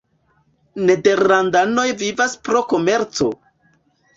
Nederlandanoj vivas pro komerco.